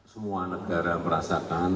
semua negara merasakan